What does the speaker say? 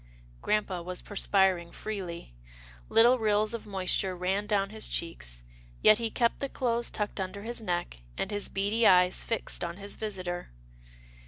Grampa was perspiring freely. Little rills of moisture ran down his cheeks, yet he kept the clothes tucked under his neck, and his beady eyes fixed on his visitor.